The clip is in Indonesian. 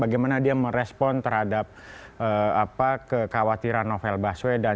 bagaimana dia merespon terhadap kekhawatiran novel baswedan